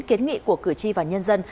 kiến nghị của cử tri và nhân dân